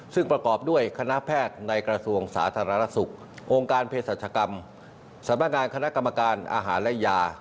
ซึ่งประกอบด้วยคณะแพทย์ในกระทรวงสาธารณสุของค์การเพศรัชกรรมสำนักงานคณะกรรมการอาหารและยา